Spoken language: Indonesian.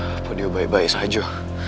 aku dia baik baik saja